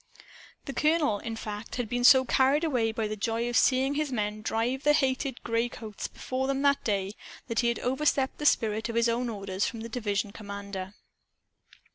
The colonel, in fact, had been so carried away by the joy of seeing his men drive the hated graycoats before them that day that he had overstepped the spirit of his own orders from the division commander.